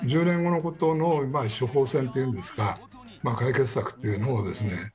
１０年後のことの処方せんっていうんですか解決策っていうのもですね